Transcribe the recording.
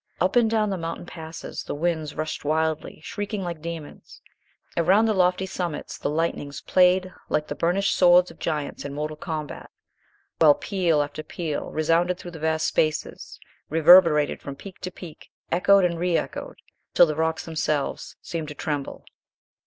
Up and down the mountain passes the winds rushed wildly, shrieking like demons. Around the lofty summits the lightnings played like the burnished swords of giants in mortal combat, while peal after peal resounded through the vast spaces, reverberated from peak to peak, echoed and re echoed, till the rocks themselves seemed to tremble.